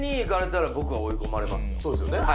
そうですよね。